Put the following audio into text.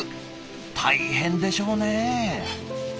大変でしょうね。